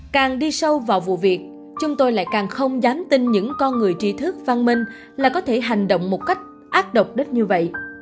càng đi sâu vào vụ việc chúng tôi lại càng không dám tin những con người trí thức văn minh là có thể hành động một cách ác độc đất như vậy